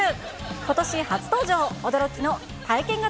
ことし初登場、驚きの体験型